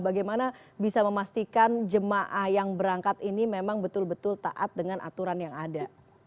bagaimana bisa memastikan jemaah yang berangkat ini memang betul betul taat dengan aturan yang ada